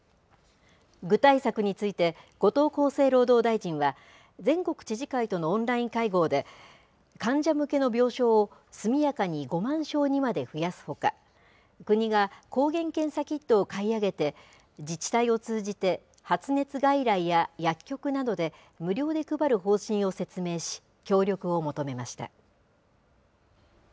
具体策について、後藤厚生労働大臣は、全国知事会とのオンライン会合で、患者向けの病床を速やかに５万床にまで増やすほか、国が抗原検査キットを買い上げて、自治体を通じて、発熱外来や薬局などで、無料で配る方針を説明し、協力を求めました。